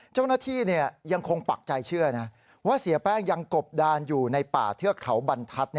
เจ้าหน้าที่ยังคงปักใจเชื่อนะว่าเสียแป้งยังกบดานอยู่ในป่าเทือกเขาบรรทัศน์